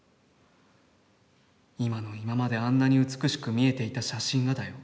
今の今まであんなに美しく見えていた写真がだよ。――